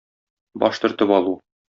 Баш төртеп алу.